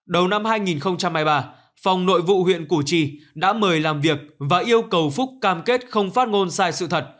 đầu năm hai nghìn hai mươi ba phòng nội vụ huyện củ chi đã mời làm việc và yêu cầu phúc cam kết không phát ngôn sai sự thật